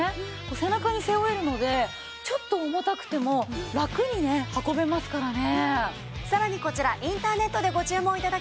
背中に背負えるのでちょっと重たくてもラクにね運べますからね。